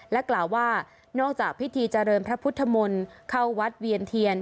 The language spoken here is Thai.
กล่าวว่านอกจากพิธีเจริญพระพุทธมนต์เข้าวัดเวียนเทียน